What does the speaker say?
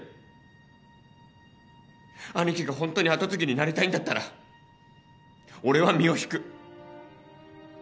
兄貴がホントに跡継ぎになりたいんだったら俺は身を引く。